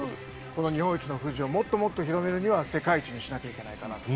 この日本一の富士をもっともっと広めるには世界一にしなきゃいけないかなと。